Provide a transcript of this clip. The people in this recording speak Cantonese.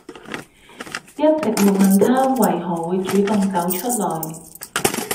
一直沒問他為何會主動走出來